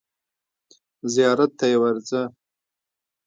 زیارت ته یې ورځه.